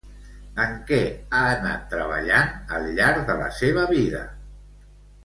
En què ha anat treballant al llarg de la seva vida?